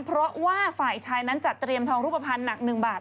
เพราะว่าฝ่ายชายนั้นจัดเตรียมทองรูปภัณฑ์หนัก๑บาท